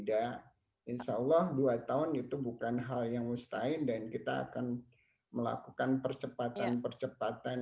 dan insya allah dua tahun itu bukan hal yang mustahil dan kita akan melakukan percepatan percepatan